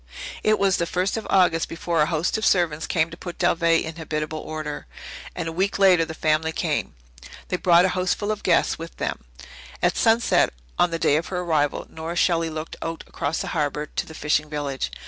It was the first of August before a host of servants came to put Dalveigh in habitable order, and a week later the family came. They brought a houseful of guests with them. At sunset on the day of her arrival Nora Shelley looked out cross the harbour to the fishing village.